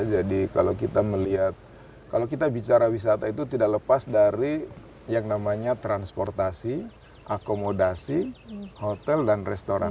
jadi kalau kita melihat kalau kita bicara wisata itu tidak lepas dari yang namanya transportasi akomodasi hotel dan restoran